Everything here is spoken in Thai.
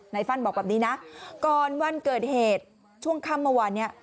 ฟันบอกแบบนี้นะก่อนวันเกิดเหตุช่วงค่ำเมื่อวานเนี่ย